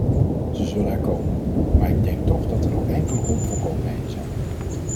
Ze zullen er komen, maar ik denk toch dat er nog enkele onvolkomenheden zijn.